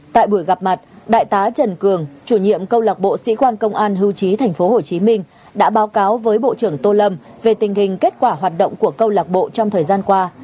tại buổi gặp mặt đại tá trần cường chủ nhiệm câu lạc bộ sĩ quan công an hưu trí tp hcm đã báo cáo với bộ trưởng tô lâm về tình hình kết quả hoạt động của câu lạc bộ trong thời gian qua